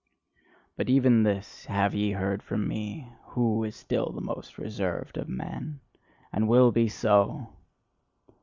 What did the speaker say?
But even this have ye heard from me, WHO is still the most reserved of men and will be so!